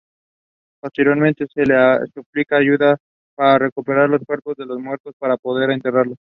Posteriormente le suplica ayuda para recuperar los cuerpos de los muertos para poder enterrarlos.